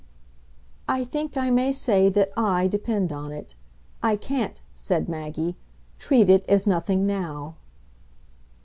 "I think I may say that I depend on it. I can't," said Maggie, "treat it as nothing now."